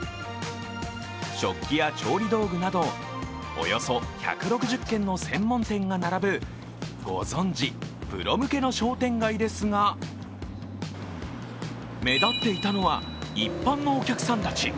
食器や調理道具など、およそ１６０軒の専門店が並ぶご存じ、プロ向けの商店街ですが目立っていたのは、一般のお客さんたち。